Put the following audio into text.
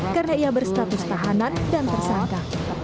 karena ia berstatus tahanan dan tersangka